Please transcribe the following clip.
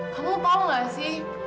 kamu tau gak sih